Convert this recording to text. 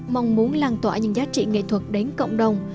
mong muốn lan tỏa những giá trị nghệ thuật đến cộng đồng